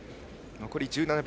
残り１７秒。